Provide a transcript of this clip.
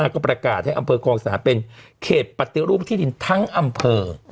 ก็ประกาศให้อำเภอคลองสหรัฐเป็นเขตปฏิรูปที่ดินทั้งอำเภอ